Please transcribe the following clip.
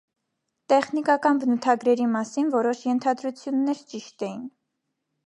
Տեխնիկական բնութագրերի մասին որոշ ենթադրություններ ճիշտ էին։